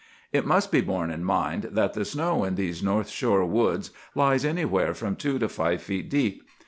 "It must be borne in mind that the snow in these north shore woods lies anywhere from two to five feet deep.